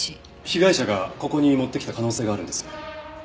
被害者がここに持ってきた可能性があるんです。